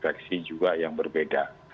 vaksin juga yang berbeda